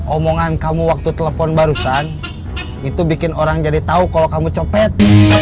omongan kamu waktu telepon barusan itu bikin orang jadi tahu kalau kamu copet